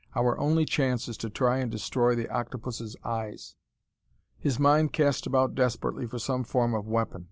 Our only chance is to try and destroy the octopus' eyes." His mind cast about desperately for some form of weapon.